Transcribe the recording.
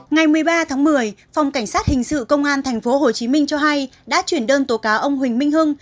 ngày một mươi ba tháng một mươi phòng cảnh sát hình sự công an tp hcm cho hay đã chuyển đơn tố cáo ông huỳnh minh hưng